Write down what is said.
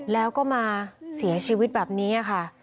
แล้วก็มาเสียชีวิตแบบนี้ค่ะ